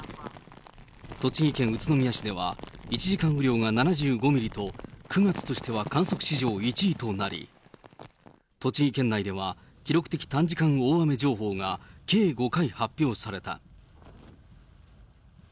栃木県宇都宮市では、１時間雨量が７５ミリと、９月としては観測史上１位となり、栃木県内では記録的短時間大雨情報が計５回発表された。